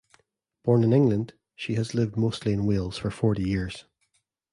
Born in England, she has lived mostly in Wales for forty years.